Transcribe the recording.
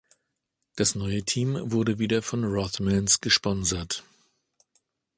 Das neue Team wurde wieder von Rothmans gesponsert.